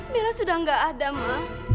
bella sudah nggak ada ma